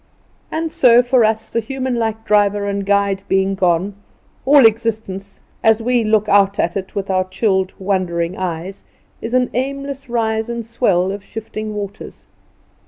And so, for us, the human like driver and guide being gone, all existence, as we look out at it with our chilled, wondering eyes, is an aimless rise and swell of shifting waters.